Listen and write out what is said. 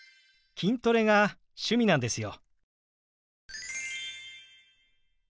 筋トレが趣味なんですよ。